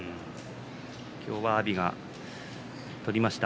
今日は阿炎が取りました。